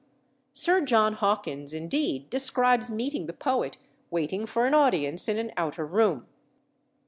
Sir John Hawkins, indeed, describes meeting the poet waiting for an audience in an outer room.